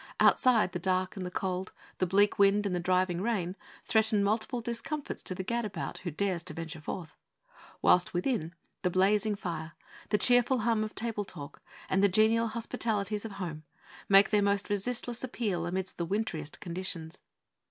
Outside, the dark and the cold, the bleak wind and the driving rain, threaten multiple discomforts to the gadabout who dares to venture forth; whilst within, the blazing fire, the cheerful hum of table talk, and the genial hospitalities of home make their most resistless appeal amidst the wintriest conditions.